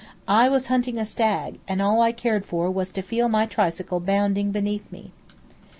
I was hunting a stag, and all I cared for was to feel my tricycle bounding beneath me.